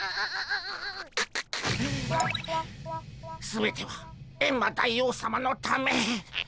全てはエンマ大王さまのため。